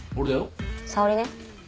沙織ね？